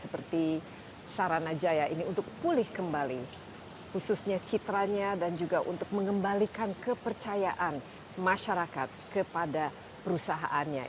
seperti sarana jaya ini untuk pulih kembali khususnya citranya dan juga untuk mengembalikan kepercayaan masyarakat kepada perusahaannya